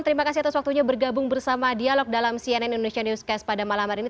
terima kasih atas waktunya bergabung bersama dialog dalam cnn indonesia newscast pada malam hari ini